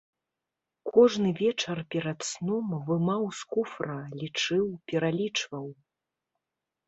Кожны вечар перад сном вымаў з куфра, лічыў, пералічваў.